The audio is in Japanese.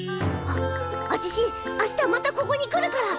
あちしあしたまたここに来るから。